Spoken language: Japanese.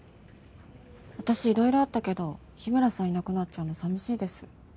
私色々あったけど日村さんいなくなっちゃうの寂しいです。